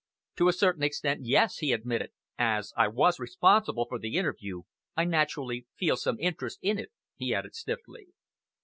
"To a certain extent, yes!" he admitted; "as I was responsible for the interview, I naturally feel some interest in it," he added stiffly.